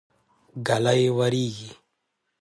ږلۍ وريږي.